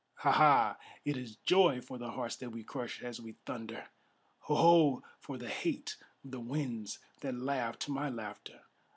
Ha! Ha! it is joy for the hearts that we crush as we thunder! Ho! Ho! for the hate of the winds that laugh to my laughter!